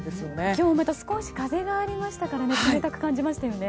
今日また少し風がありましたから冷たく感じましたよね。